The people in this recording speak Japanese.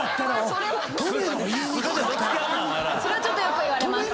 それはちょっとよく言われます。